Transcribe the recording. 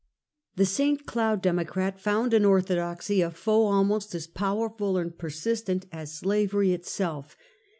The St. Cloud Democrat found in orthodoxy a foe almost as powerful and persistent as slavery itself.